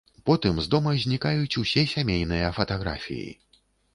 Потым з дома знікаюць усе сямейныя фатаграфіі.